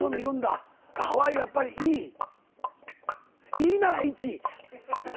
いいなら１。